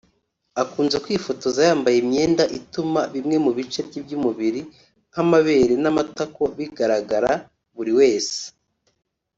Akunze kwifotoza yambaye imyenda ituma bimwe mu bice bye by’umubiri nk’amabere n’amatako bigaragara buri wese